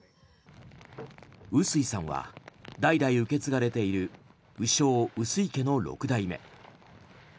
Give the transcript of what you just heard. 臼井さんは代々受け継がれている鵜匠・臼井家の６代目。